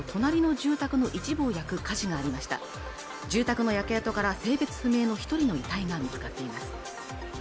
住宅の焼け跡から性別不明の一人の遺体が見つかっています